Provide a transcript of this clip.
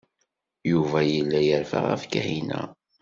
Yuba yelle yerfa ɣef Kahina.